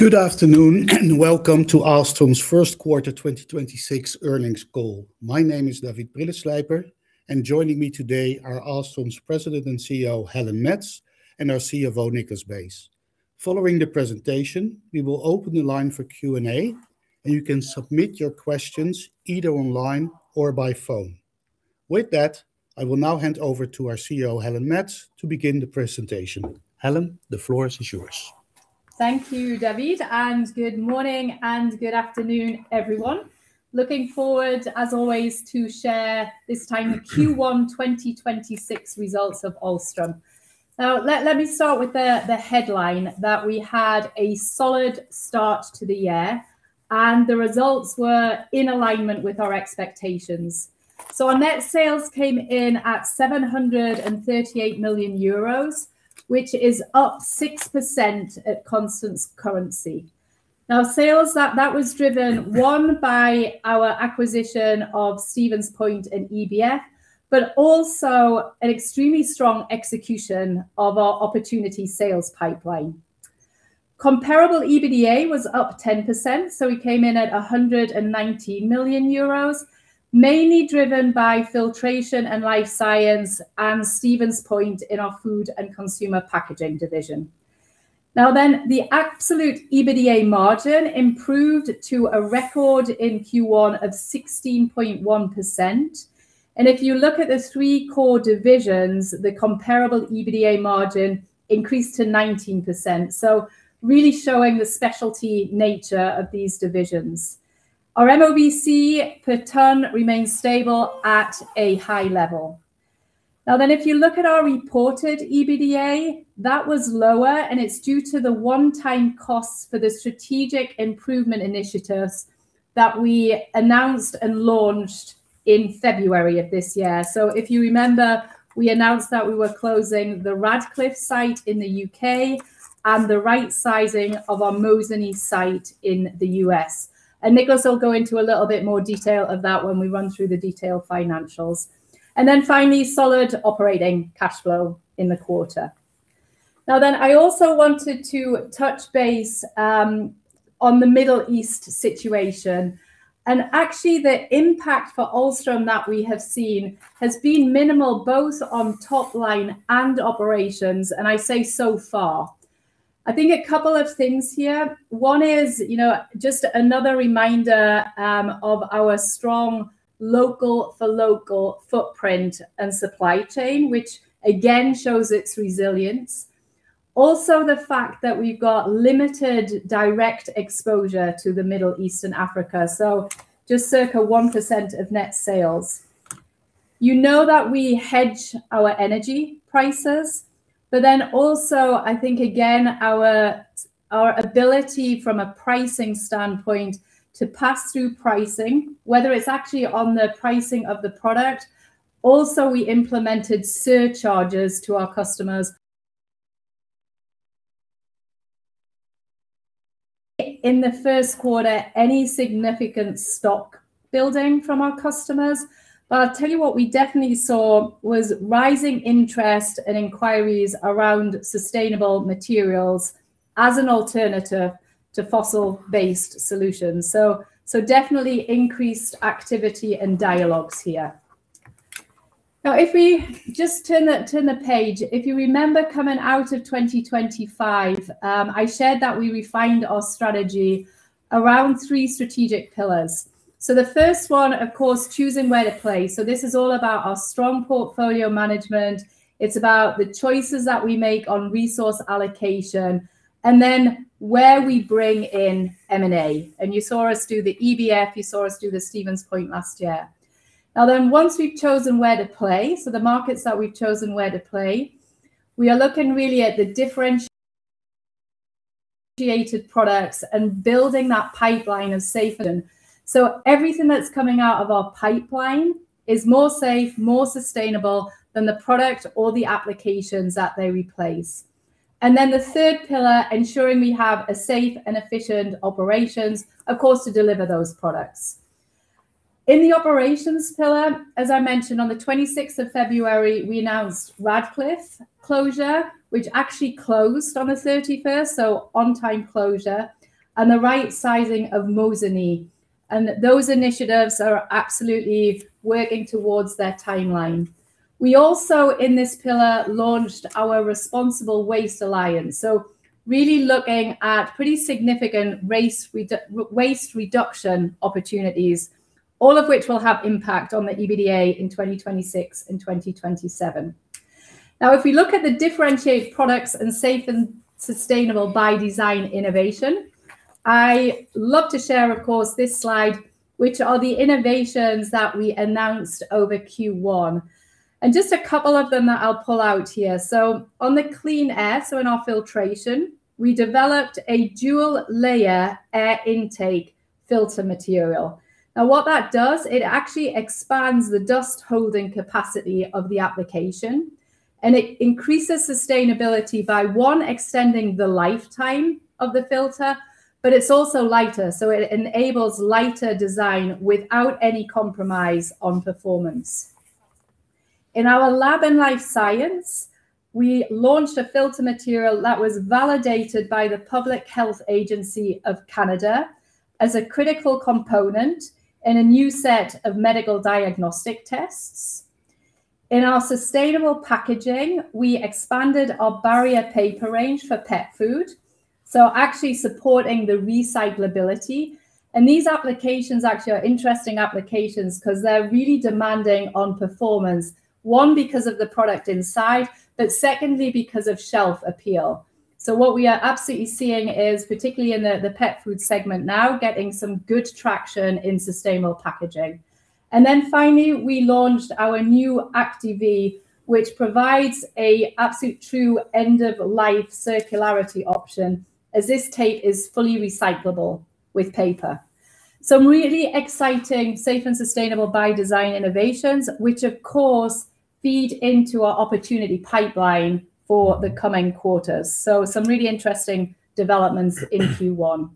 Good afternoon, and Welcome to Ahlstrom's First Quarter 2026 Earnings Call. My name is David Brilleslijper. And joining me today are Ahlstrom's President and CEO, Helen Mets, and our CFO, Niklas Beyes. Following the presentation, we will open the line for Q&A. You can submit your questions either online or by phone. With that, I will now hand over to our CEO, Helen Mets, to begin the presentation. Helen, the floor is yours. Thank you David, and good morning and good afternoon, everyone. Looking forward, as always, to share this time the Q1 2026 results of Ahlstrom. Let me start with the headline that we had a solid start to the year, and the results were in alignment with our expectations. Our net sales came in at 738 million euros, which is up 6% at constant currency. Sales that was driven, one, by our acquisition of Stevens Point and EBF, but also an extremely strong execution of our opportunity sales pipeline. Comparable EBITDA was up 10%, we came in at 190 million euros, mainly driven by Filtration & Life Sciences and Stevens Point in our Food & Consumer Packaging division. The absolute EBITDA margin improved to a record in Q1 of 16.1%. If you look at the three core divisions, the comparable EBITDA margin increased to 19%, really showing the specialty nature of these divisions. Our MoVC per ton remains stable at a high level. If you look at our reported EBITDA, that was lower, and it's due to the one-time costs for the strategic improvement initiatives that we announced and launched in February of this year. If you remember, we announced that we were closing the Radcliffe site in the U.K. and the right sizing of our Mosinee site in the U.S. Niklas will go into a little bit more detail of that when we run through the detailed financials. Finally, solid operating cash flow in the quarter. I also wanted to touch base, on the Middle East situation, actually the impact for Ahlstrom that we have seen has been minimal both on top line and operations, and I say so far. I think a couple of things here. One is, you know, just another reminder of our strong local for local footprint and supply chain, which again shows its resilience. The fact that we've got limited direct exposure to the Middle East and Africa, so just circa 1% of net sales. You know that we hedge our energy prices, I think again our ability from a pricing standpoint to pass through pricing, whether it's actually on the pricing of the product. We implemented surcharges to our customers. In the first quarter, any significant stock building from our customers. I'll tell you what we definitely saw was rising interest and inquiries around sustainable materials as an alternative to fossil-based solutions. Definitely increased activity and dialogues here. If we just turn the page, if you remember coming out of 2025, I shared that we refined our strategy around three strategic pillars. The first one, of course, choosing where to play. This is all about our strong portfolio management. It's about the choices that we make on resource allocation and then where we bring in M&A, and you saw us do the EBF, you saw us do the Stevens Point last year. Once we've chosen where to play, the markets that we've chosen where to play, we are looking really at the differentiated products and building that pipeline of specialty. Everything that's coming out of our pipeline is more safe, more sustainable than the product or the applications that they replace. The third pillar, ensuring we have a safe and efficient operations, of course, to deliver those products. In the operations pillar, as I mentioned, on the 26th of February, we announced Radcliffe closure, which actually closed on the 31st, so on time closure, and the right sizing of Mosinee. Those initiatives are absolutely working towards their timeline. We also, in this pillar, launched our Responsible Waste Alliance, so really looking at pretty significant waste reduction opportunities, all of which will have impact on the EBITDA in 2026 and 2027. If we look at the differentiated products and safe and sustainable by design innovation, I love to share, of course, this slide, which are the innovations that we announced over Q1. Just a couple of them that I'll pull out here. On the clean air, so in our filtration, we developed a dual layer air intake filter material. What that does, it actually expands the dust holding capacity of the application, and it increases sustainability by one, extending the lifetime of the filter, but it's also lighter. It enables lighter design without any compromise on performance. In our lab and life science, we launched a filter material that was validated by the Public Health Agency of Canada as a critical component in a new set of medical diagnostic tests. In our sustainable packaging, we expanded our barrier paper range for pet food, so actually supporting the recyclability. These applications actually are interesting applications because they're really demanding on performance. One, because of the product inside, but secondly, because of shelf appeal. What we are absolutely seeing is, particularly in the pet food segment now, getting some good traction in sustainable packaging. Finally, we launched our new Acti-V, which provides a absolute true end-of-life circularity option as this tape is fully recyclable with paper. Some really exciting safe and sustainable by design innovations, which of course feed into our opportunity pipeline for the coming quarters. Some really interesting developments in Q1.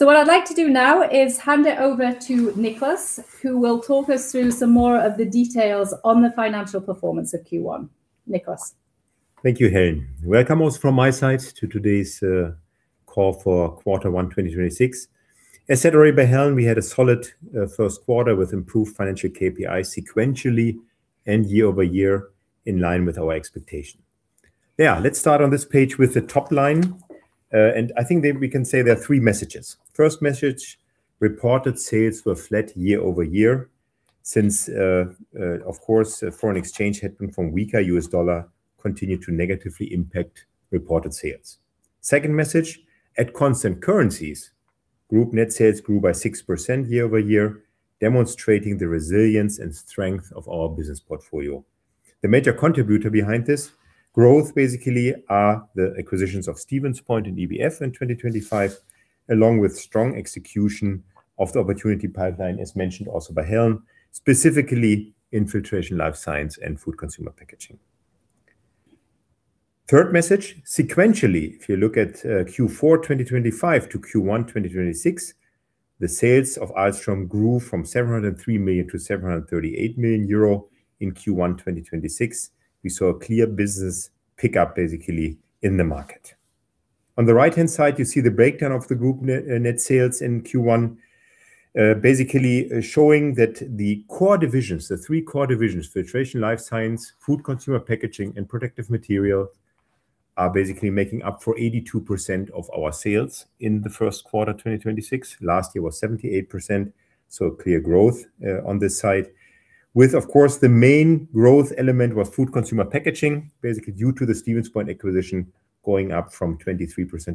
What I'd like to do now is hand it over to Niklas, who will talk us through some more of the details on the financial performance of Q1. Niklas. Thank you Helen. Welcome also from my side to today's call for quarter one 2026. As said already by Helen, we had a solid first quarter with improved financial KPI sequentially and year-over-year in line with our expectation. Let's start on this page with the top line. I think that we can say there are three messages. First message, reported sales were flat year-over-year since, of course, foreign exchange headroom from weaker U.S dollar continued to negatively impact reported sales. Second message, at constant currencies, group net sales grew by 6% year-over-year, demonstrating the resilience and strength of our business portfolio. The major contributor behind this growth basically are the acquisitions of Stevens Point and EBF in 2025, along with strong execution of the opportunity pipeline, as mentioned also by Helen, specifically in Filtration & Life Sciences and Food & Consumer Packaging. Third message, sequentially, if you look at Q4 2025 to Q1 2026, the sales of Ahlstrom grew from 703 million-738 million euro in Q1 2026. We saw a clear business pickup basically in the market. On the right-hand side, you see the breakdown of the group net sales in Q1, basically showing that the core divisions, the three core divisions, Filtration & Life Sciences, Food & Consumer Packaging, and Protective Materials are basically making up for 82% of our sales in the first quarter 2026. Last year was 78%, so clear growth on this side. The main growth element was Food & Consumer Packaging, basically due to the Stevens Point acquisition going up from 23%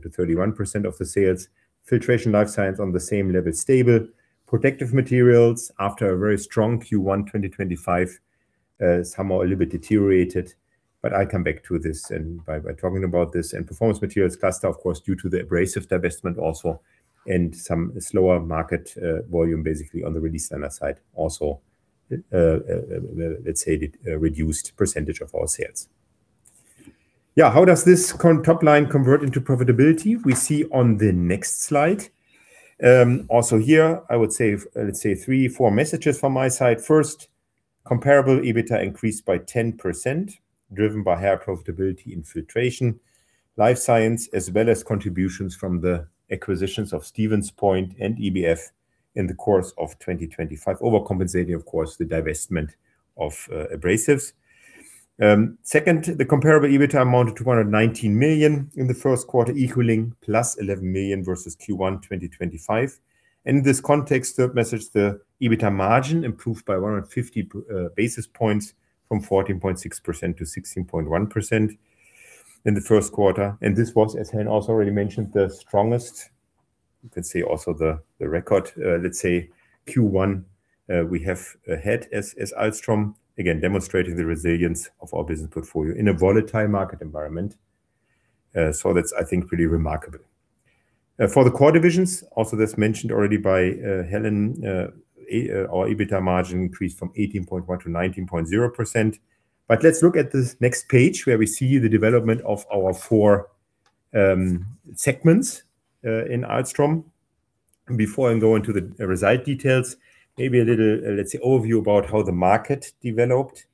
to 31% of the sales. Filtration & Life Sciences on the same level, stable. Protective Materials after a very strong Q1 2025, somehow a little bit deteriorated, I come back to this by talking about this. Performance Materials Cluster, of course, due to the Abrasives divestment also and some slower market volume basically on the release liner side also, let's say it, reduced percentage of our sales. How does this top line convert into profitability? We see on the next slide. Also here, I would say, let's say three, four messages from my side. First, comparable EBITDA increased by 10%, driven by higher profitability in Filtration & Life Sciences, as well as contributions from the acquisitions of Stevens Point and EBF in the course of 2025, overcompensating, of course, the divestment of Abrasives. Second, the comparable EBITDA amounted to 219 million in the first quarter, equaling +11 million versus Q1 2025. In this context, third message, the EBITDA margin improved by 150 basis points from 14.6%-16.1% in the first quarter. This was, as Helen also already mentioned, the strongest, you can say also the record let's say Q1 we have had as Ahlstrom, again, demonstrating the resilience of our business portfolio in a volatile market environment. That's, I think, pretty remarkable. For the core divisions, also that's mentioned already by Helen, our EBITDA margin increased from 18.1%-19.0%. Let's look at this next page where we see the development of our four segments in Ahlstrom. Before I go into the reside details, maybe a little, let's say, overview about how the market developed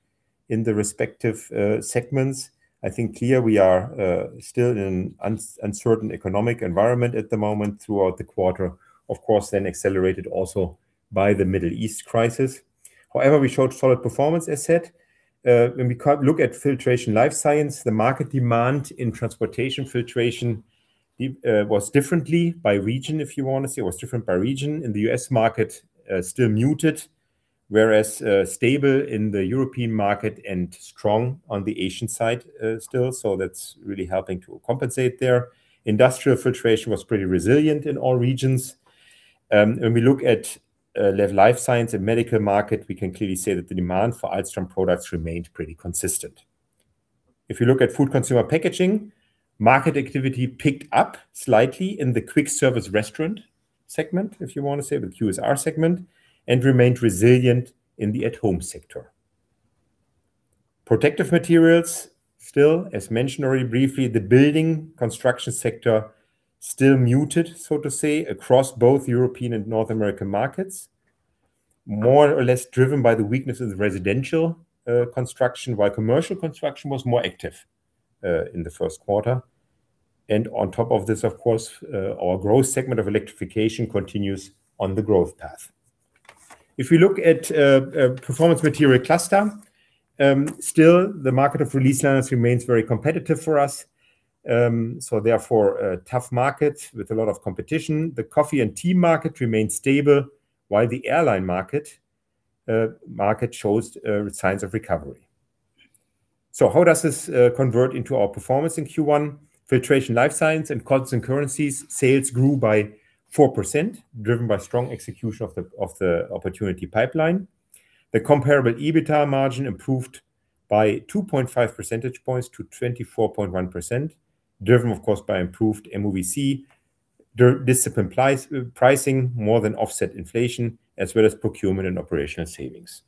in the respective segments. I think clear we are still in uncertain economic environment at the moment throughout the quarter, of course, then accelerated also by the Middle East crisis. However, we showed solid performance as said. When we look at Filtration & Life Sciences, the market demand in transportation filtration was differently by region, if you want to say. It was different by region. In the U.S. market still muted, whereas stable in the European market and strong on the Asian side, still. That's really helping to compensate there. Industrial filtration was pretty resilient in all regions. When we look at life science and medical market, we can clearly say that the demand for Ahlstrom products remained pretty consistent. If you look at Food & Consumer Packaging, market activity picked up slightly in the quick service restaurant segment, if you want to say, the QSR segment, and remained resilient in the at-home sector. Protective Materials still, as mentioned already briefly, the building construction sector still muted, so to say, across both European and North American markets, more or less driven by the weakness of the residential construction, while commercial construction was more active in the first quarter. On top of this, of course, our growth segment of electrification continues on the growth path. If we look at Performance Materials Cluster, still the market of release liners remains very competitive for us, therefore a tough market with a lot of competition. The coffee and tea market remains stable, while the airline market shows signs of recovery. How does this convert into our performance in Q1? Filtration & Life Sciences and constant currencies sales grew by 4%, driven by strong execution of the opportunity pipeline. The comparable EBITDA margin improved by 2.5 percentage points to 24.1%, driven of course by improved MoVC. Discipline pricing more than offset inflation, as well as procurement and operational savings.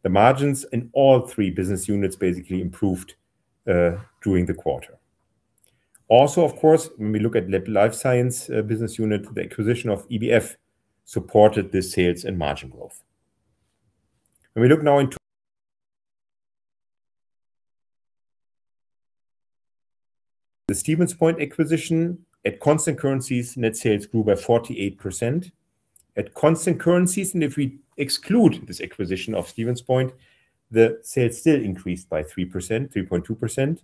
The margins in all three business units basically improved during the quarter. Of course, when we look at Life Science business unit, the acquisition of EBF supported the sales and margin growth. When we look now into Stevens Point acquisition at constant currencies, net sales grew by 48%. At constant currencies, if we exclude this acquisition of Stevens Point, the sales still increased by 3%-3.2%.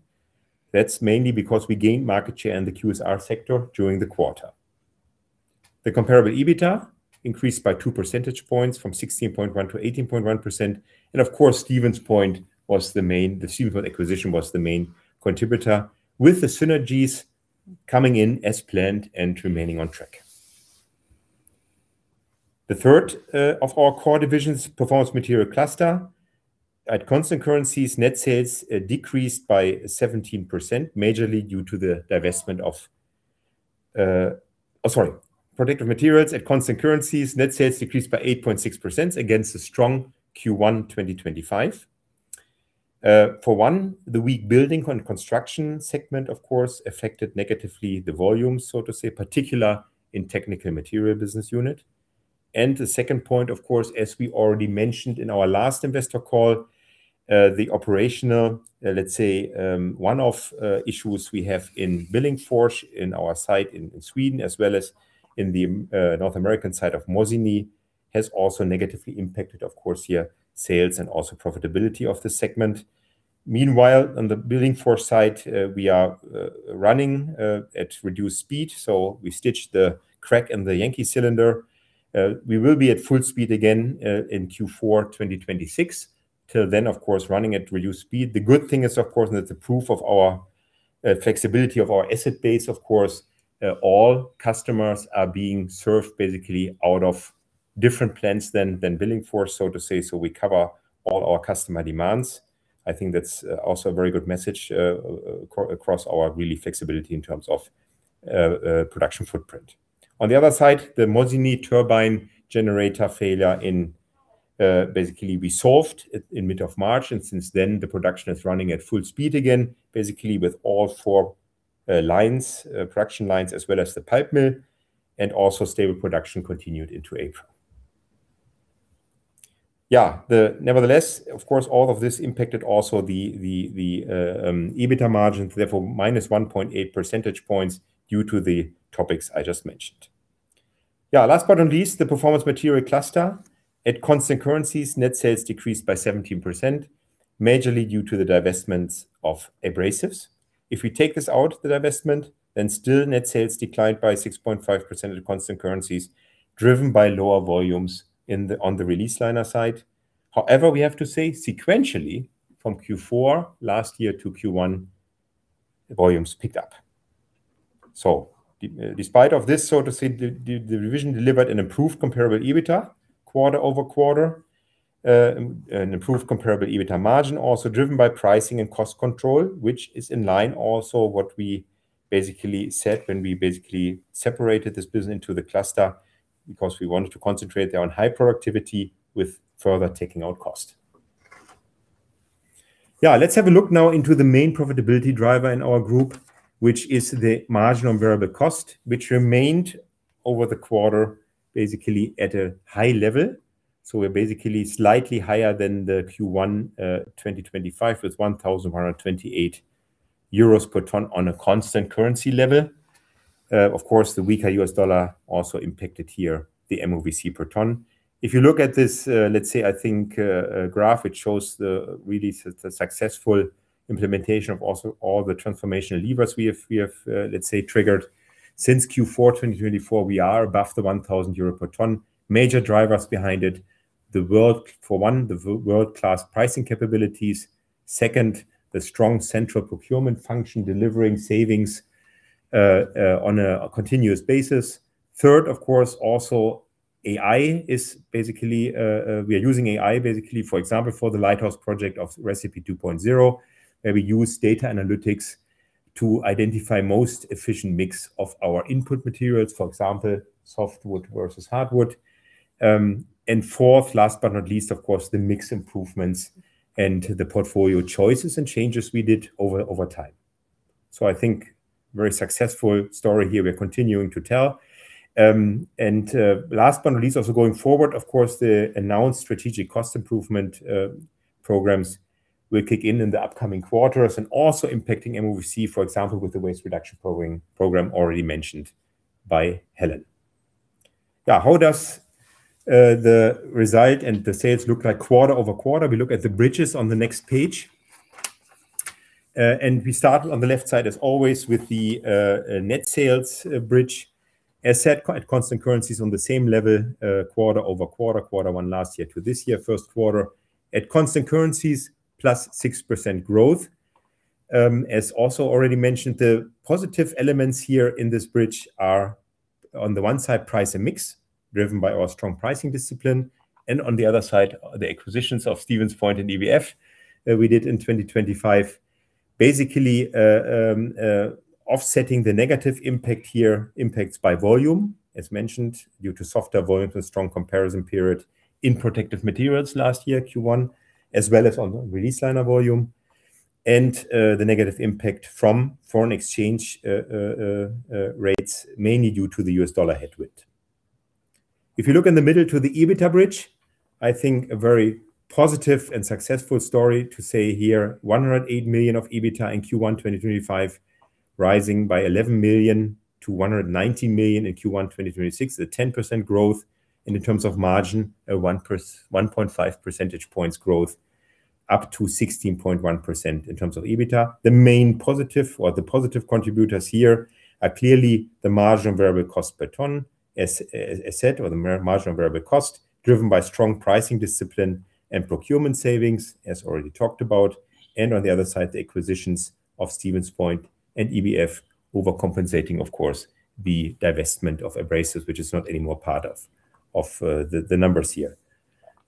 That's mainly because we gained market share in the QSR sector during the quarter. The comparable EBITDA increased by 2 percentage points from 16.1-18.1%. Of course, Stevens Point acquisition was the main contributor with the synergies coming in as planned and remaining on track. The third of our core divisions, Performance Materials Cluster. At constant currencies, net sales decreased by 17%, majorly due to the divestment of Oh, sorry. Protective Materials at constant currencies, net sales decreased by 8.6% against a strong Q1 2025. For one, the weak building and construction segment, of course, affected negatively the volume, so to say, particular in technical material business unit. The second point, of course, as we already mentioned in our last investor call, the operational, let's say, one-off issues we have in Billingsfors in our site in Sweden as well as in the North American side of Mosinee has also negatively impacted, of course, sales and also profitability of the segment. Meanwhile, on the Billingsfors site, we are running at reduced speed. We stitched the crack in the Yankee cylinder. We will be at full speed again in Q4 2026. Till then, of course, running at reduced speed. The good thing is, of course, that the proof of our flexibility of our asset base, of course, all customers are being served basically out of different plants than Billingsfors, so to say, so we cover all our customer demands. I think that's also a very good message across our really flexibility in terms of production footprint. On the other side, the Mosinee turbine generator failure in, basically we solved it in mid of March, and since then, the production is running at full speed again, basically with all four lines, production lines as well as the pulp mill and also stable production continued into April. Yeah. Nevertheless, of course, all of this impacted also the EBITDA margins, therefore -1.8 percentage points due to the topics I just mentioned. Yeah, last but not least, the Performance Materials Cluster. At constant currencies, net sales decreased by 17%, majorly due to the divestments of Abrasives. If we take this out, the divestment, still net sales declined by 6.5% at constant currencies, driven by lower volumes on the release liner side. We have to say sequentially from Q4 last year to Q1, volumes picked up. Despite of this, so to say, the division delivered an improved comparable EBITDA quarter-over-quarter. An improved comparable EBITDA margin also driven by pricing and cost control, which is in line also what we basically said when we basically separated this business into the cluster because we wanted to concentrate there on high productivity with further taking out cost. Let's have a look now into the main profitability driver in our group, which is the Margin on Variable Cost, which remained over the quarter basically at a high level. We're basically slightly higher than the Q1 2025 with 1,128 euros per ton on a constant currency level. Of course, the weaker U.S. dollar also impacted here the MoVC per ton. If you look at this, let's say I think graph, it shows the really successful implementation of also all the transformational levers we have, let's say triggered. Since Q4 2024, we are above the 1,000 euro per ton. Major drivers behind it, for one, the world-class pricing capabilities. Second, the strong central procurement function delivering savings on a continuous basis. Third, of course, also AI is basically, we are using AI basically, for example, for the Lighthouse project of Recipe 2.0, where we use data analytics to identify most efficient mix of our input materials, for example, softwood versus hardwood. Fourth, last but not least, of course, the mix improvements and the portfolio choices and changes we did over time. I think very successful story here we're continuing to tell. Last but not least, also going forward, of course, the announced strategic cost improvement programs will kick in in the upcoming quarters and also impacting MoVC, for example, with the waste reduction program already mentioned by Helen. Now, how does the result and the sales look like quarter-over-quarter? We look at the bridges on the next page. We start on the left side, as always, with the net sales bridge. As said, at constant currencies on the same level, quarter-over-quarter, quarter one last year to this year, first quarter. At constant currencies, +6% growth. As also already mentioned, the positive elements here in this bridge are on the one side price and mix driven by our strong pricing discipline, and on the other side are the acquisitions of Stevens Point and EBF that we did in 2025. Basically, offsetting the negative impact here, impacts by volume, as mentioned, due to softer volume and strong comparison period in Protective Materials last year, Q1, as well as on release liner volume and the negative impact from foreign exchange rates mainly due to the U.S dollar headwind. If you look in the middle to the EBITDA bridge, I think a very positive and successful story to say here, 108 million of EBITDA in Q1 2025, rising by 11 million-190 million in Q1 2026, a 10% growth. In terms of margin, a 1.5 percentage points growth up to 16.1% in terms of EBITDA. The main positive or the positive contributors here are clearly the margin variable cost per ton, as said, or the margin variable cost driven by strong pricing discipline and procurement savings, as already talked about. On the other side, the acquisitions of Stevens Point and EBF overcompensating, of course, the divestment of Abrasives, which is not any more part of the numbers here.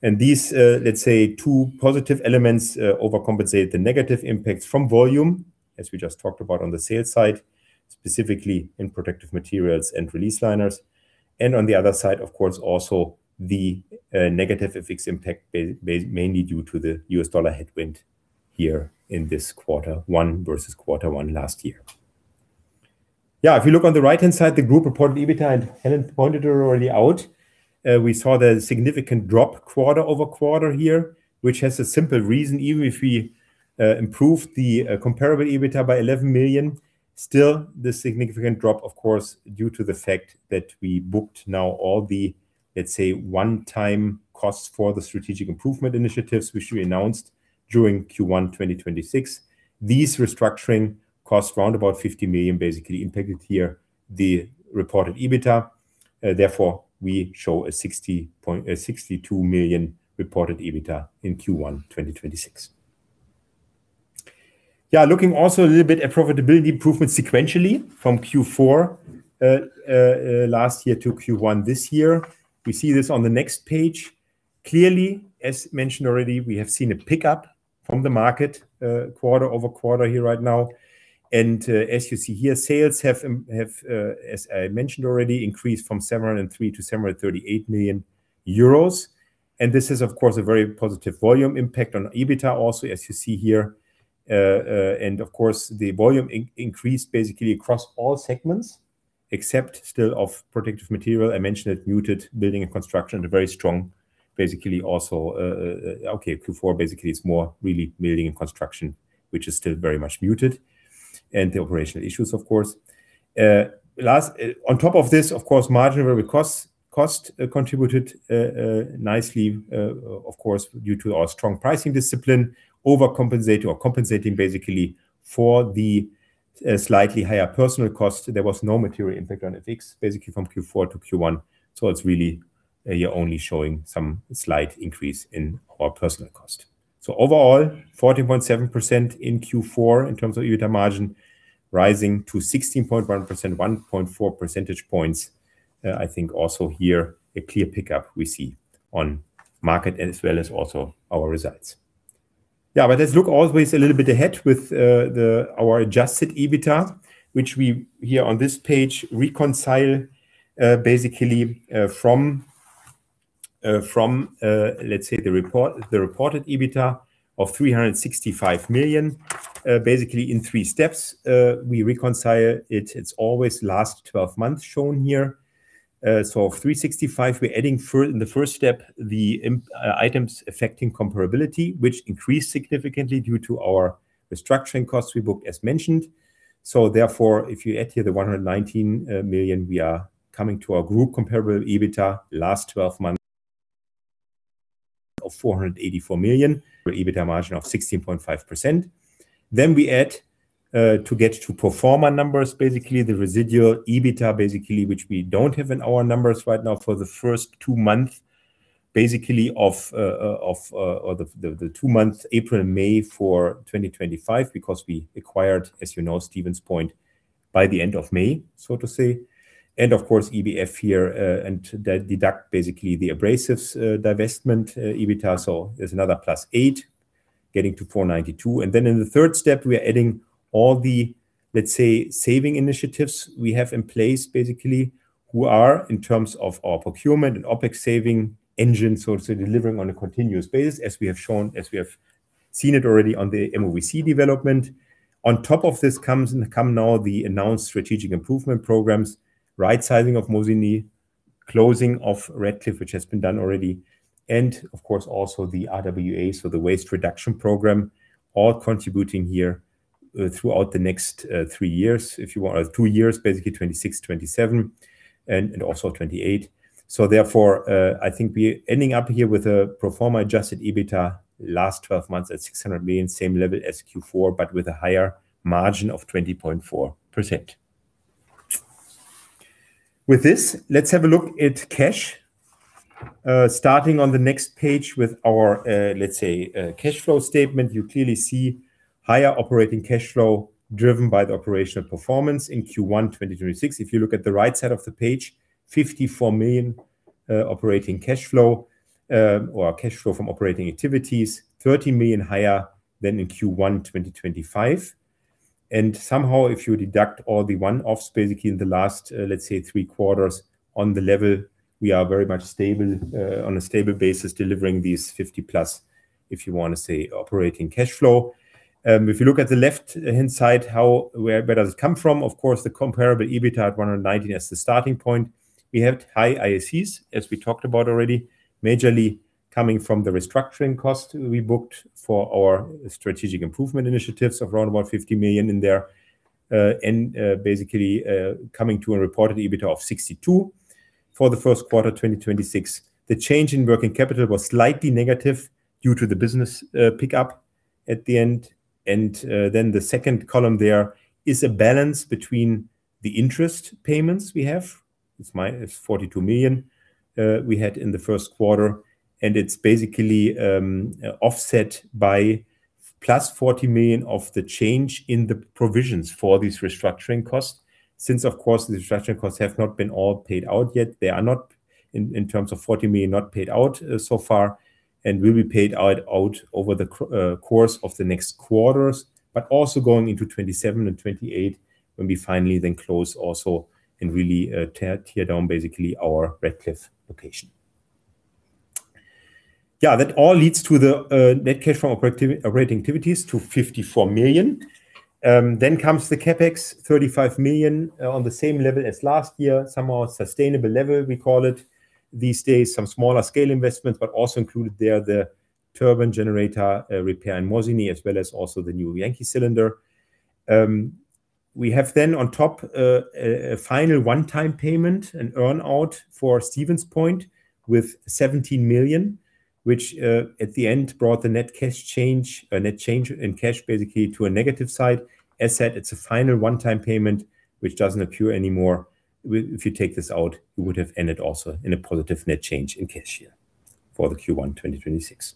These, let's say two positive elements, overcompensate the negative impacts from volume, as we just talked about on the sales side, specifically in Protective Materials and release liners. On the other side, of course, also the negative FX impact mainly due to the U.S Dollar headwind here in this quarter one versus quarter one last year. If you look on the right-hand side, the group reported EBITDA, and Helen pointed it already out, we saw the significant drop quarter-over-quarter here, which has a simple reason. Even if we improve the comparable EBITDA by 11 million, still the significant drop, of course, due to the fact that we booked now all the, let's say, one-time costs for the strategic improvement initiatives which we announced during Q1 2026. These restructuring costs round about 50 million basically impacted here the reported EBITDA. Therefore, we show a 62 million reported EBITDA in Q1 2026. Looking also a little bit at profitability improvement sequentially from Q4 last year to Q1 this year. We see this on the next page. Clearly, as mentioned already, we have seen a pickup from the market quarter-over-quarter here right now. As you see here, sales have, as I mentioned already, increased from 703-738 million euros. This is, of course, a very positive volume impact on EBITDA also, as you see here. Of course, the volume increased basically across all segments, except still of Protective Materials. I mentioned it muted building and construction. A very strong basically also, okay, Q4 basically is more really building and construction, which is still very much muted, and the operational issues of course. Last, on top of this, of course, margin variable costs contributed nicely, of course, due to our strong pricing discipline, overcompensating or compensating basically for the slightly higher personal cost. There was no material impact on FX, basically from Q4 to Q1. It's really, you're only showing some slight increase in our personal cost. Overall, 14.7% in Q4 in terms of EBITDA margin, rising to 16.1%, 1.4 percentage points. I think also here a clear pickup we see on market as well as also our results. Yeah, let's look always a little bit ahead with the, our adjusted EBITDA, which we here on this page reconcile basically from, let's say the reported EBITDA of 365 million basically in three steps. We reconcile it. It's always last 12 months shown here. 365, we're adding in the first step, the Items Affecting Comparability, which increased significantly due to our restructuring costs we booked as mentioned. Therefore, if you add here the 119 million, we are coming to our group comparable EBITDA last 12 months of 484 million for EBITDA margin of 16.5%. We add to get to pro forma numbers, the residual EBITDA, which we don't have in our numbers right now for the first two months of April and May for 2025 because we acquired, as you know, Stevens Point by the end of May, so to say. Of course, EBF here, and they deduct the Abrasives divestment EBITA. There's another plus eight getting to 492. In the third step, we are adding all the, let's say, saving initiatives we have in place who are in terms of our procurement and OpEx saving engine, so to say, delivering on a continuous basis, as we have seen it already on the MoVC development. On top of this come now the announced strategic improvement programs, right sizing of Mosinee, closing of Radcliffe, which has been done already, and of course, also the RWA, so the waste reduction program, all contributing here, throughout the next three years. If you want, two years, basically 2026, 2027 and also 2028. Therefore, I think we ending up here with a pro forma adjusted EBITDA last 12 months at 600 million, same level as Q4, but with a higher margin of 20.4%. With this, let's have a look at cash. Starting on the next page with our, let's say, cash flow statement. You clearly see higher operating cash flow driven by the operational performance in Q1 2026. If you look at the right side of the page, 54 million operating cash flow, or cash flow from operating activities, 13 million higher than in Q1 2025. Somehow, if you deduct all the one-offs basically in the last three quarters on the level, we are very much stable on a stable basis, delivering these 50 plus, if you wanna say, operating cash flow. If you look at the left-hand side, where does it come from? Of course, the comparable EBITA at 190 as the starting point. We have high IACs, as we talked about already, majorly coming from the restructuring cost we booked for our strategic improvement initiatives of around about 50 million in there. Basically, coming to a reported EBITA of 62 for the first quarter 2026. The change in working capital was slightly negative due to the business pickup at the end. The second column there is a balance between the interest payments we have. It's 42 million we had in the first quarter, it's basically offset by +40 million of the change in the provisions for these restructuring costs. Since, of course, the restructuring costs have not been all paid out yet. They are not in terms of 40 million not paid out so far and will be paid out over the course of the next quarters, but also going into 2027 and 2028 when we finally close and really tear down basically our Radcliffe location. That all leads to the net cash from operating activities to 54 million. CapEx, 35 million on the same level as last year. Somehow sustainable level, we call it these days. Some smaller scale investments, also included there the turbine generator repair in Mosinee, as well as also the new Yankee cylinder. We have on top a final one-time payment, an earn-out for Stevens Point with 17 million, which at the end brought the net change in cash basically to a negative side. As said, it's a final one-time payment, which doesn't appear anymore. If you take this out, we would have ended also in a positive net change in cash here for the Q1 2026.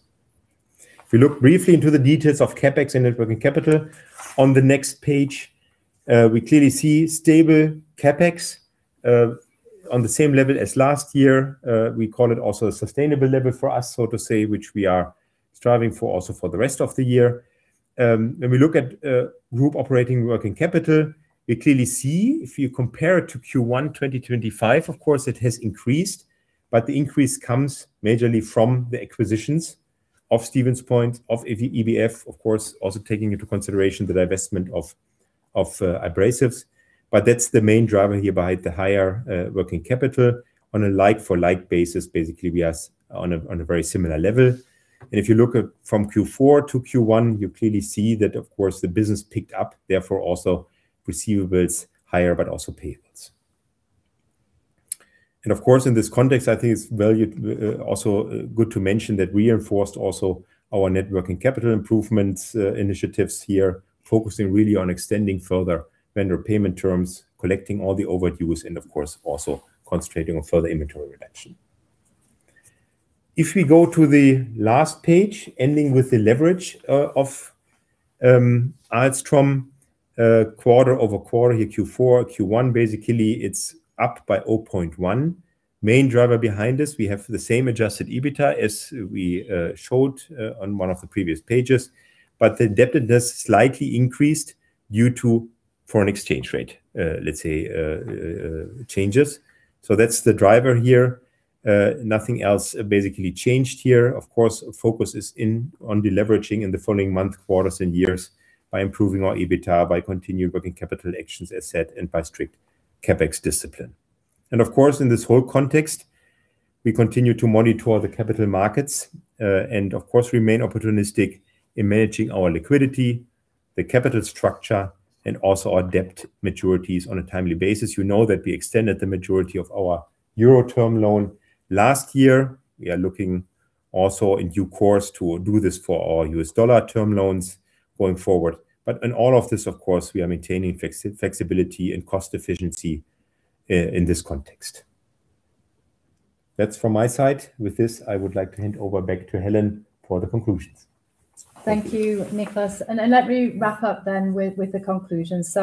If you look briefly into the details of CapEx and net working capital, on the next page, we clearly see stable CapEx on the same level as last year. We call it also a sustainable level for us, so to say, which we are striving for also for the rest of the year. When we look at group operating working capital, we clearly see if you compare it to Q1 2025, of course, it has increased, but the increase comes majorly from the acquisitions of Stevens Point, of EBF, of course, also taking into consideration the divestment of Abrasives. That's the main driver here behind the higher working capital. On a like-for-like basis, basically, we are on a very similar level. If you look at from Q4 to Q1, you clearly see that of course, the business picked up, therefore also receivables higher, but also payments. Of course, in this context, I think it's also good to mention that we enforced also our net working capital improvements initiatives here, focusing really on extending further vendor payment terms, collecting all the overdues, and of course, also concentrating on further inventory reduction. If we go to the last page, ending with the leverage of Ahlstrom quarter-over-quarter here, Q4, Q1, basically, it's up by 0.1. Main driver behind this, we have the same adjusted EBITA as we showed on one of the previous pages, but the indebtedness slightly increased due to foreign exchange rate changes. That's the driver here. Nothing else basically changed here. Focus is in on deleveraging in the following month, quarters and years by improving our EBITDA, by continued working capital actions as said, and by strict CapEx discipline. Of course, in this whole context, we continue to monitor the capital markets, and of course, remain opportunistic in managing our liquidity, the capital structure, and also our debt maturities on a timely basis. You know that we extended the maturity of our EUR term loan last year. We are looking also in due course to do this for our U.S dollar term loans going forward. In all of this, of course, we are maintaining flexibility and cost efficiency in this context. That's from my side. With this, I would like to hand over back to Helen for the conclusions. Thank you Niklas. Let me wrap up then with the conclusions.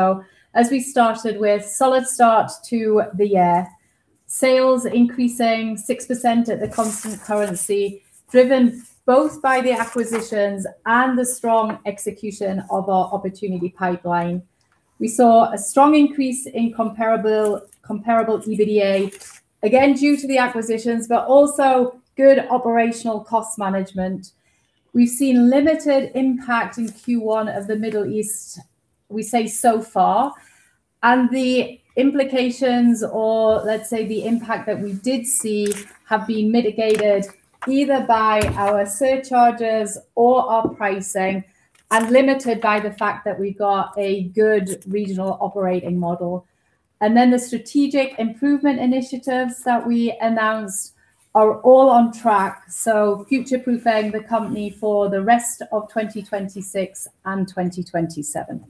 As we started with solid start to the year, sales increasing 6% at the constant currency, driven both by the acquisitions and the strong execution of our opportunity pipeline. We saw a strong increase in comparable EBITDA, again, due to the acquisitions, but also good operational cost management. We've seen limited impact in Q1 of the Middle East, we say so far, and the implications or let's say the impact that we did see have been mitigated either by our surcharges or our pricing and limited by the fact that we've got a good regional operating model. The strategic improvement initiatives that we announced are all on track, so future-proofing the company for the rest of 2026 and 2027.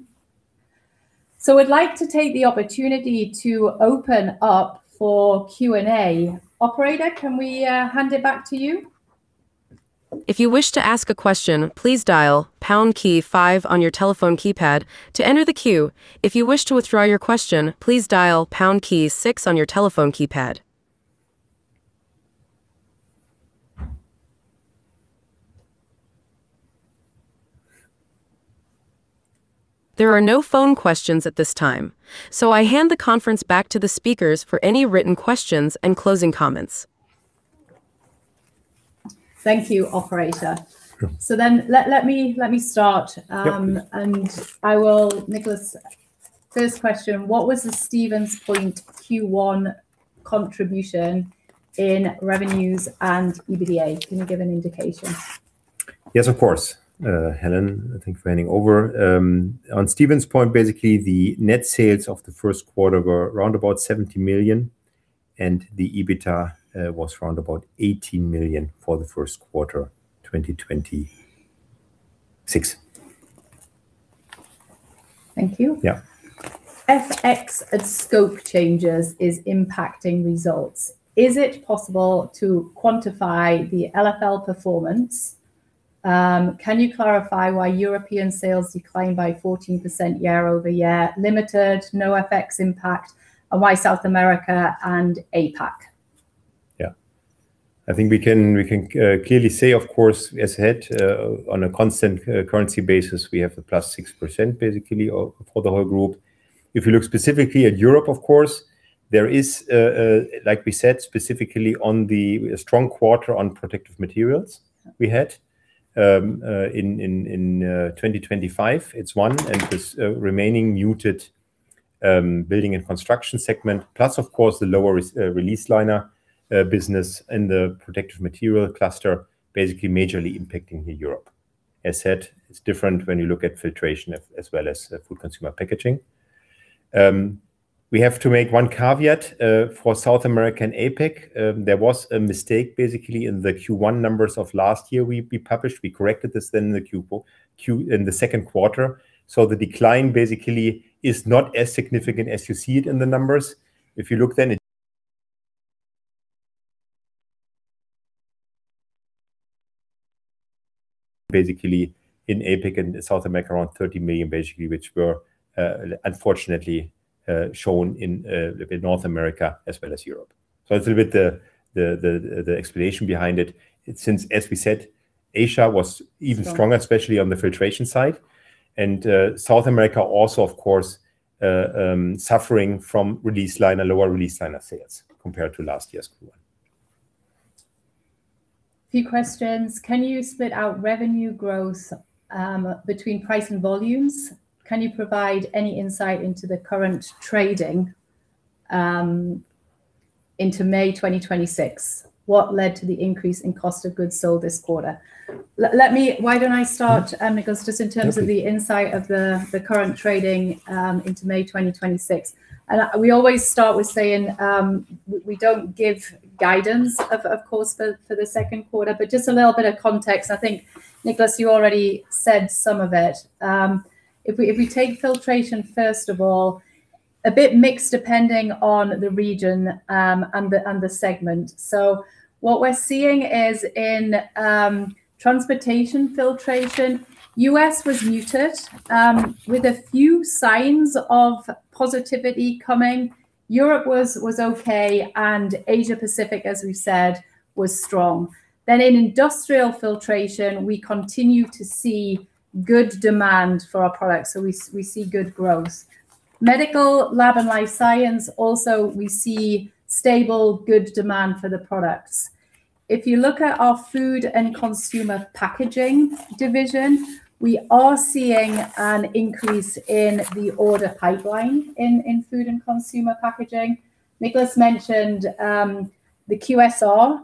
We'd like to take the opportunity to open up for Q&A. Operator, can we hand it back to you? If you wish to ask a question, please dial pound key five on your telephone keypad to enter the queue. If you wish to withdraw your question, please dial pound key six on your telephone keypad. There are no phone questions at this time, so I hand the conference back to the speakers for any written questions and closing comments. Thank you, operator. Sure. Let me start. Yep I will Niklas, first question, what was the Stevens Point Q1 contribution in revenues and EBITDA? Can you give an indication? Yes, of course, Helen, thank you for handing over. On Stevens Point, basically the net sales of the first quarter were around about 70 million, and the EBITDA was around about 18 million for the first quarter 2026. Thank you. Yeah. FX at scope changes is impacting results. Is it possible to quantify the LFL performance? Can you clarify why European sales declined by 14% year-over-year, limited no FX impact, and why South America and APAC? I think we can clearly say, of course, on a constant currency basis, we have a +6% basically for the whole group. If you look specifically at Europe, of course, there is like we said, specifically on the strong quarter on Protective Materials we had in 2025, it's one and this remaining muted building and construction segment. Of course, the lower release liner business and the Protective Materials cluster basically majorly impacting Europe. As said, it's different when you look at filtration as well as Food & Consumer Packaging. We have to make one caveat for South America and APAC. There was a mistake basically in the Q1 numbers of last year we published. We corrected this in the second quarter. The decline basically is not as significant as you see it in the numbers. If you look then at basically in APAC and South America, around 30 million basically, which were unfortunately shown in North America as well as Europe. It's a bit the explanation behind it. Since, as we said, Asia was even stronger. Strong especially on the filtration side. South America also, of course, suffering from release liner, lower release liner sales compared to last year's Q1. Few questions. Can you split out revenue growth between price and volumes? Can you provide any insight into the current trading into May 2026? What led to the increase in cost of goods sold this quarter? Why don't I start, Niklas, just in terms of the insight of the current trading into May 2026. We always start with saying we don't give guidance of course, for the second quarter, but just a little bit of context. I think, Niklas, you already said some of it. If we take Filtration, first of all, a bit mixed depending on the region and the segment. What we're seeing is in transportation Filtration, U.S. was muted with a few signs of positivity coming. Europe was okay, Asia Pacific, as we said, was strong. In Industrial Filtration, we continue to see good demand for our products. We see good growth. Medical Lab and Life Science also, we see stable good demand for the products. If you look at our Food and Consumer Packaging division, we are seeing an increase in the order pipeline in Food and Consumer Packaging. Niklas mentioned the QSR,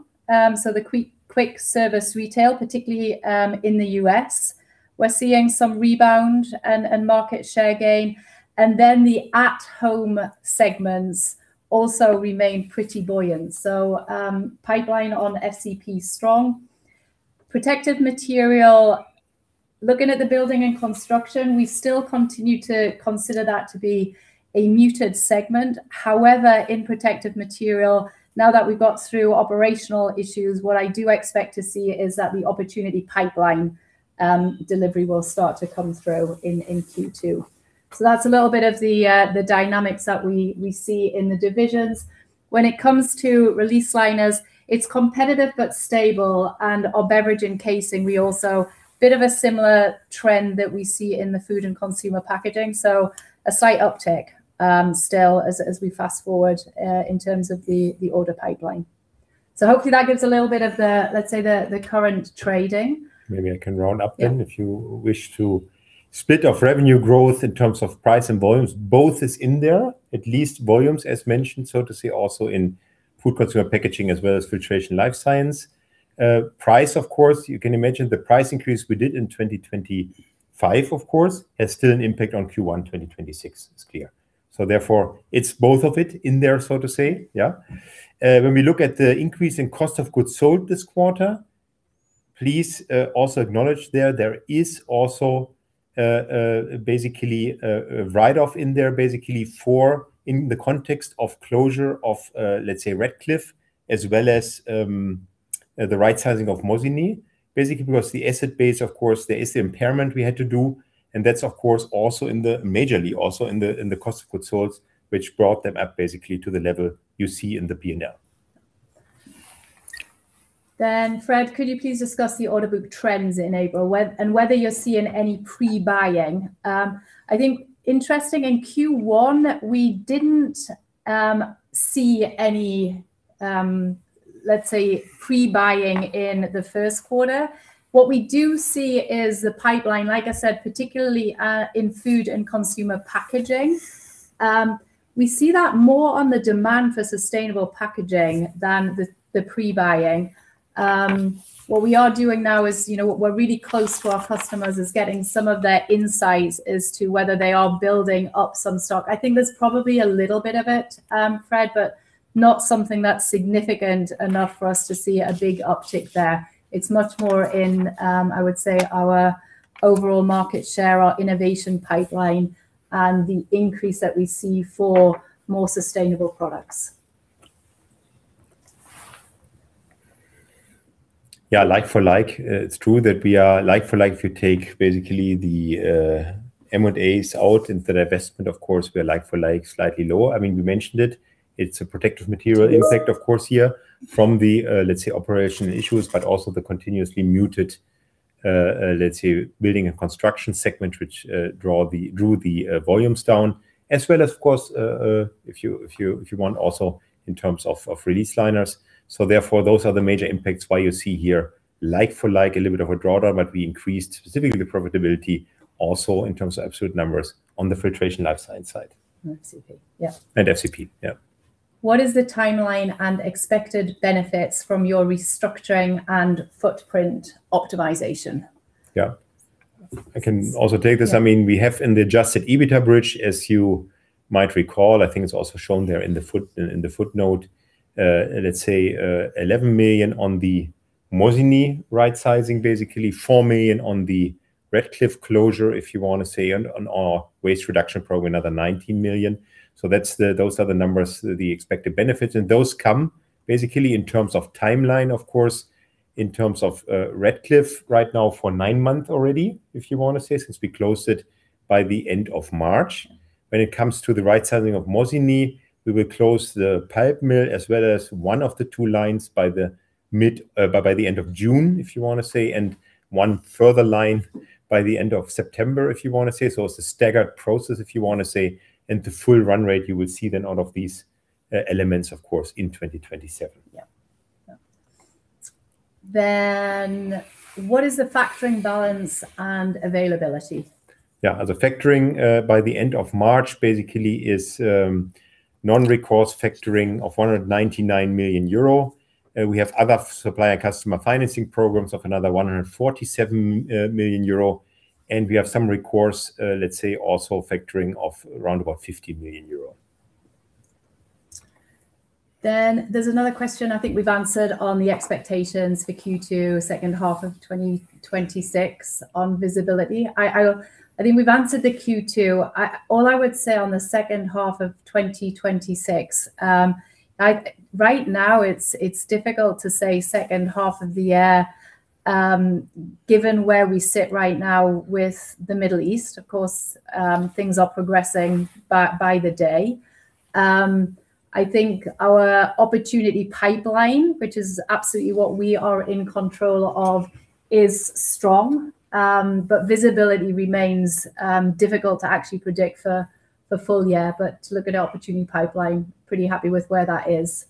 so the quick service retail, particularly in the U.S. We're seeing some rebound and market share gain. The at-home segments also remain pretty buoyant. Pipeline on FCP strong. Protective Materials, looking at the building and construction, we still continue to consider that to be a muted segment. In Protective Materials, now that we got through operational issues, what I do expect to see is that the opportunity pipeline delivery will start to come through in Q2. That's a little bit of the dynamics that we see in the divisions. When it comes to release liners, it's competitive but stable. Our beverage and casing we also Bit of a similar trend that we see in the Food & Consumer Packaging, a slight uptick still as we fast-forward in terms of the order pipeline. Hopefully that gives a little bit of the, let's say the current trading. Maybe I can round up then. Yeah if you wish to. Split of revenue growth in terms of price and volumes, both is in there, at least volumes as mentioned, so to say, also in Food & Consumer Packaging as well as Filtration & Life Sciences. Price, of course, you can imagine the price increase we did in 2025, of course, has still an impact on Q1 2026. It's clear. Therefore it's both of it in there, so to say. Yeah. When we look at the increase in cost of goods sold this quarter, please, also acknowledge there is also, basically a write-off in there basically for, in the context of closure of, let's say Radcliffe, as well as, the right sizing of Mosinee. Basically because the asset base, of course, there is the impairment we had to do, and that's of course also in the, majorly also in the, in the cost of goods sold, which brought them up basically to the level you see in the P&L. Fred, could you please discuss the order book trends in April, whether you're seeing any pre-buying? I think interesting in Q1 we didn't see any, let's say pre-buying in the first quarter. What we do see is the pipeline, like I said, particularly in food and consumer packaging. We see that more on the demand for sustainable packaging than the pre-buying. What we are doing now is, you know, we're really close to our customers, is getting some of their insights as to whether they are building up some stock. I think there's probably a little bit of it, Fred, but not something that's significant enough for us to see a big uptick there. It's much more in, I would say our overall market share, our innovation pipeline, and the increase that we see for more sustainable products. Yeah, like for like, it's true that we are like for like if you take basically M&As out and the divestment, of course we are like for like slightly lower. I mean, we mentioned it. It's a Protective Materials impact, of course, here from the let's say, operational issues, but also the continuously muted building and construction segment which drew the volumes down. As well as of course, also in terms of release liners. Therefore those are the major impacts why you see here like for like a little bit of a drawdown, but we increased specifically profitability also in terms of absolute numbers on the Filtration & Life Sciences side. FCP, yeah. FCP. Yeah. What is the timeline and expected benefits from your restructuring and footprint optimization? Yeah. I can also take this. Yeah. I mean, we have in the adjusted EBITDA bridge, as you might recall, I think it's also shown there in the footnote, let's say, 11 million on the Mosinee right sizing basically, 4 million on the Radcliffe closure, if you want to say, and on our waste reduction program, another 19 million. Those are the numbers, the expected benefits. Those come basically in terms of timeline, of course, in terms of Radcliffe right now for nine months already, if you want to say, since we closed it by the end of March. When it comes to the right sizing of Mosinee, we will close the pulp mill as well as one of the two lines by the end of June, if you want to say, and one further line by the end of September, if you want to say. It's a staggered process, if you want to say. The full run rate, you will see then all of these elements of course in 2027. Yeah. Yeah. What is the factoring balance and availability? Yeah. The factoring by the end of March basically is non-recourse factoring of 199 million euro. We have other supplier customer financing programs of another 147 million euro, we have some recourse, let's say also factoring of around about 50 million euro. There's another question I think we've answered on the expectations for Q2, second half of 2026 on visibility. I think we've answered the Q2. All I would say on the second half of 2026, right now it's difficult to say second half of the year, given where we sit right now with the Middle East. Of course, things are progressing by the day. I think our opportunity pipeline, which is absolutely what we are in control of, is strong. Visibility remains difficult to actually predict for full year. To look at our opportunity pipeline, pretty happy with where that is.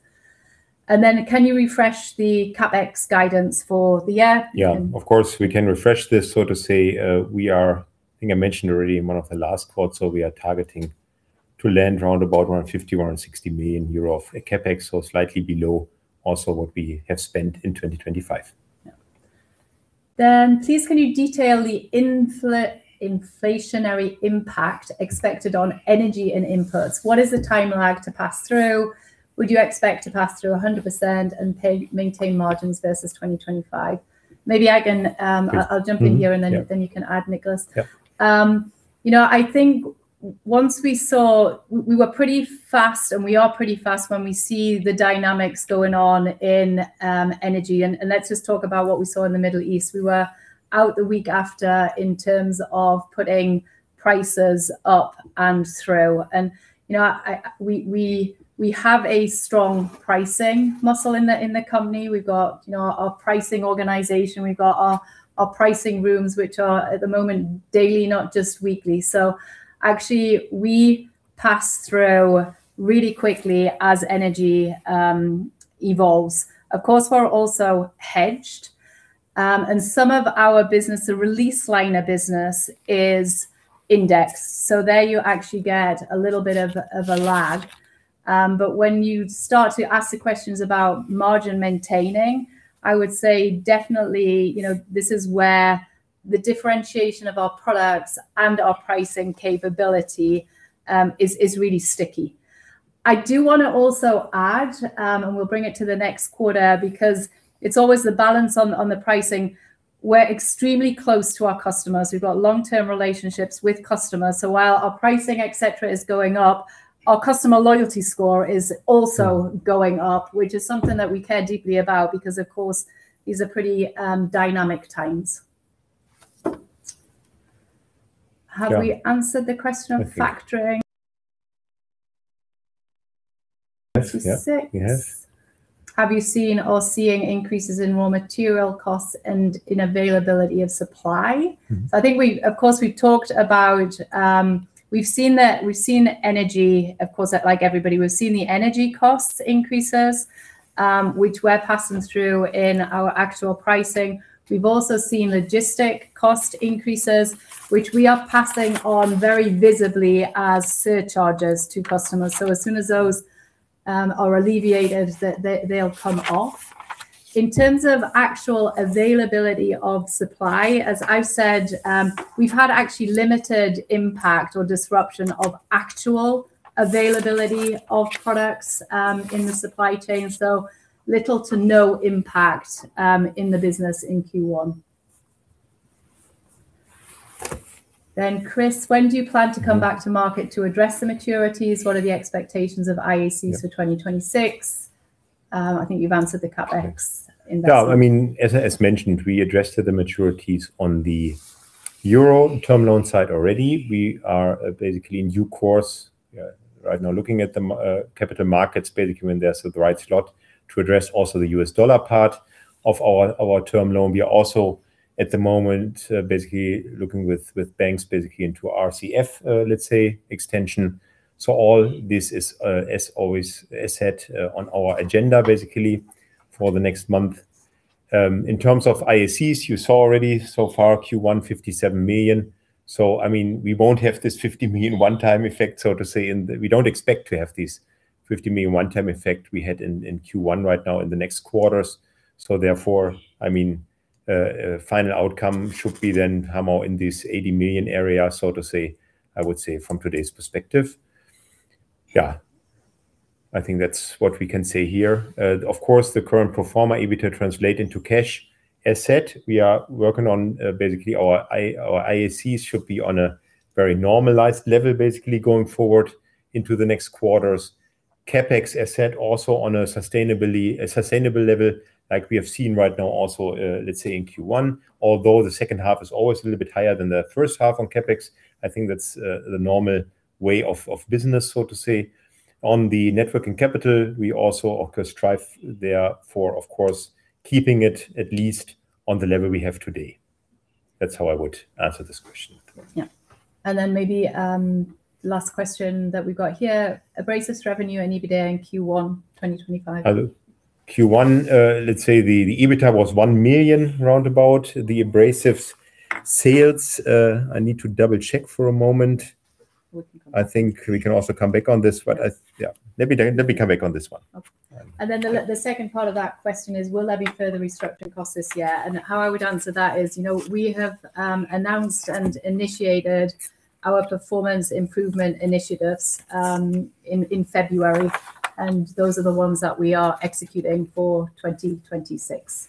Can you refresh the CapEx guidance for the year? Yeah. Of course, we can refresh this. To say, we are, I think I mentioned already in one of the last quotes, we are targeting to land around about 150 million-160 million euro of CapEx, slightly below also what we have spent in 2025. Please can you detail the inflationary impact expected on energy and inputs? What is the timeline to pass through? Would you expect to pass through 100% and pay, maintain margins versus 2025? Yes. Mm-hmm. Yeah. I'll jump in here. Yeah You can add, Niklas. Yeah. You know, I think once we saw we were pretty fast, we are pretty fast when we see the dynamics going on in energy. Let's just talk about what we saw in the Middle East. We were out the week after in terms of putting prices up and through. You know, we have a strong pricing muscle in the company. We've got, you know, our pricing organization. We've got our pricing rooms, which are, at the moment, daily, not just weekly. Actually we pass through really quickly as energy evolves. Of course, we're also hedged. Some of our business, the release liner business, is index. There you actually get a little bit of a lag. When you start to ask the questions about margin maintaining, I would say definitely, you know, this is where the differentiation of our products and our pricing capability is really sticky. I do wanna also add, we'll bring it to the next quarter because it's always the balance on the pricing. We're extremely close to our customers. We've got long-term relationships with customers. While our pricing, et cetera, is going up, our customer loyalty score is also going up, which is something that we care deeply about because, of course, these are pretty dynamic times. Yeah. Have we answered the question of factoring? I think Yes. Yeah. Yes. 26. Have you seen or are seeing increases in raw material costs and in availability of supply? I think we Of course, we've talked about, We've seen the, we've seen energy, of course, like everybody, we've seen the energy costs increases, which we're passing through in our actual pricing. We've also seen logistic cost increases, which we are passing on very visibly as surcharges to customers. As soon as those are alleviated, they'll come off. In terms of actual availability of supply, as I've said, we've had actually limited impact or disruption of actual availability of products in the supply chain, so little to no impact in the business in Q1. Chris, when do you plan to come back to market to address the maturities? What are the expectations of IACs for 2026? Yeah. I think you've answered the CapEx investment. I mean, as mentioned, we addressed the maturities on the EUR term loan side already. We are basically in due course right now looking at the capital markets basically when they're at the right slot to address also the U.S dollar part of our term loan. We are also at the moment basically looking with banks basically into RCF, let's say, extension. All this is, as always, as said, on our agenda basically for the next month. In terms of IACs, you saw already so far Q1 EUR 57 million. I mean, we don't expect to have this 50 million one-time effect we had in Q1 right now in the next quarters. I mean, final outcome should be then more in this 80 million area, so to say, I would say from today's perspective. Yeah. I think that's what we can say here. Of course, the current pro forma EBITDA translate into cash. As said, we are working on, basically our IACs should be on a very normalized level basically going forward into the next quarters. CapEx, as said, also on a sustainable level like we have seen right now also, let's say in Q1. The second half is always a little bit higher than the first half on CapEx. I think that's the normal way of business, so to say. On the net working capital, we also, of course, strive there for, of course, keeping it at least on the level we have today. That's how I would answer this question. Yeah. Maybe, last question that we've got here. Abrasives revenue and EBITDA in Q1 2025. Q1, let's say the EBITDA was 1 million round about. The Abrasives sales, I need to double-check for a moment. We can come back on that. I think we can also come back on this one. Yeah. Maybe, let me come back on this one. Okay. The second part of that question is, will there be further restructuring costs this year? How I would answer that is, you know, we have announced and initiated our performance improvement initiatives in February, and those are the ones that we are executing for 2026.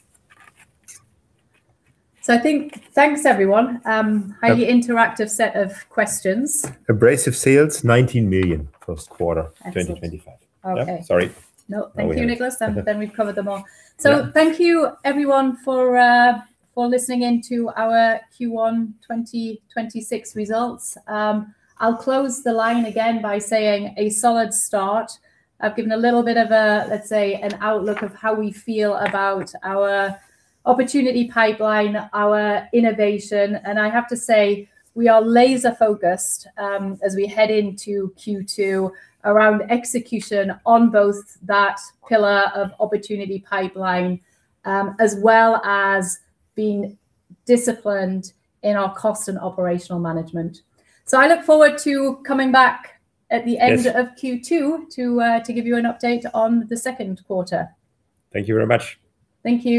I think thanks, everyone. Highly interactive set of questions. Abrasive sales, 19 million first quarter 2025. Excellent. Okay. Yeah. Sorry. No. Thank you, Niklas. There we go. Okay. We've covered them all. Thank you everyone for for listening in to our Q1 2026 results. I'll close the line again by saying a solid start. I've given a little bit of a, let's say, an outlook of how we feel about our opportunity pipeline, our innovation. I have to say we are laser-focused as we head into Q2 around execution on both that pillar of opportunity pipeline, as well as being disciplined in our cost and operational management. I look forward to coming back. Yes At the end of Q2 to give you an update on the second quarter. Thank you very much. Thank you.